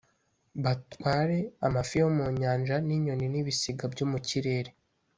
batware amafi yo mu nyanja, n’inyoni n’ibisiga byo mu kirere